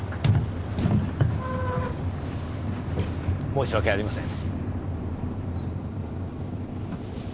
申し訳ありません。